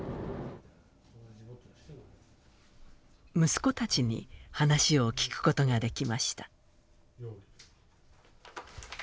息子たちに話を聞くことができました。